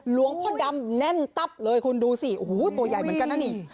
หลวงพ่อดำแน่นตับเลยคุณดูสิโอ้โหตัวใหญ่เหมือนกันนะนี่